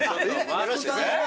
よろしくお願いします！